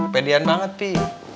pedean banget pi